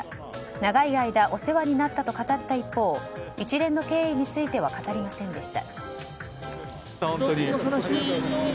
長い間お世話になったと語った一方一連の経緯については語りませんでした。